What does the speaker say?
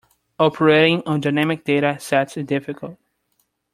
Operating on dynamic data sets is difficult.